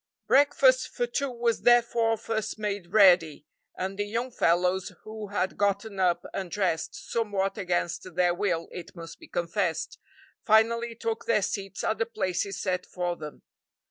Breakfast for two was therefore first made ready, and the young fellows, who had gotten up and dressed somewhat against their will, it must be confessed finally took their seats at the places set for them.